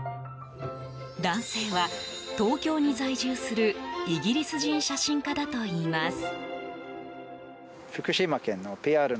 男性は、東京に在住するイギリス人写真家だといいます。